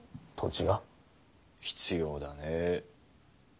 必要だねぇ。